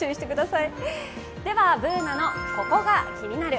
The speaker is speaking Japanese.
ではＢｏｏｎａの「ココがキニナル」。